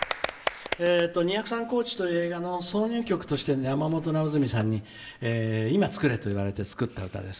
えっと「二百三高地」という映画の挿入曲として山本直純さんに「今作れ」と言われて作った歌です。